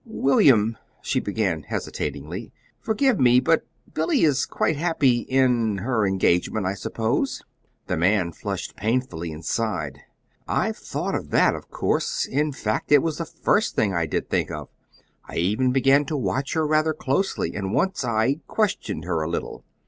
"William," she began hesitatingly, "forgive me, but Billy is quite happy in her engagement, I suppose." The man flushed painfully, and sighed. "I've thought of that, of course. In fact, it was the first thing I did think of. I even began to watch her rather closely, and once I questioned her a little."